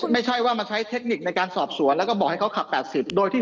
ไม่ใช่ว่ามาใช้เทคนิคในการสอบสวนแล้วก็บอกให้เขาขับ๘๐โดยที่